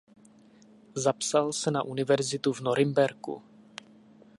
Zapsal se na univerzitu v Norimberku.